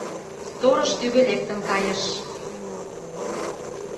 Сторож тӱгӧ лектын кайыш.